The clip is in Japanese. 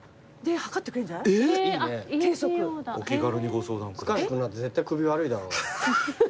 塚地君なんて絶対首悪いだろ。